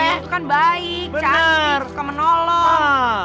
itu kan baik cantik suka menolong